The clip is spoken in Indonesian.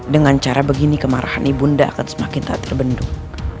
dengan cara begini kemarahan ibunda akan semakin tak terbendung